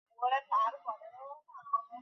তাকে প্রস্তুত করতেন।